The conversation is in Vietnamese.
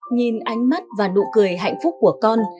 nhìn ánh mắt và nụ cười hạnh phúc của con